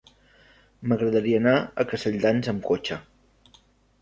M'agradaria anar a Castelldans amb cotxe.